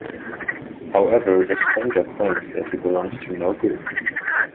However, the Stranger claims that he belongs to no group.